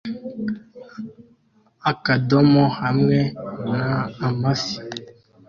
akadomo hamwe n amafi